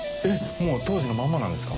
もう当時のまんまなんですか？